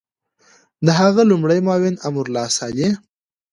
د هغه لومړی معاون امرالله صالح